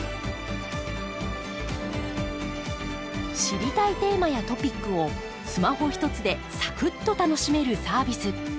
知りたいテーマやトピックをスマホひとつでサクッと楽しめるサービス。